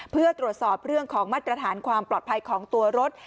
เพื่อตรวจสอบเรื่องของมาตรฐานความปลอดภัยของตัวรถ